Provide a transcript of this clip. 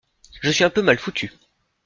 Je suis un peu mal foutu.